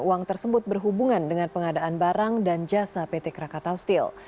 uang tersebut berhubungan dengan pengadaan barang dan jasa pt krakatau steel